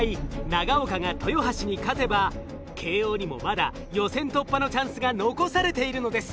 長岡が豊橋に勝てば慶應にもまだ予選突破のチャンスが残されているのです。